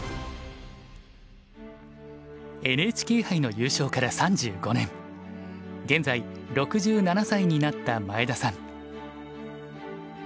ＮＨＫ杯の優勝から３５年現在６７歳になった前田さん。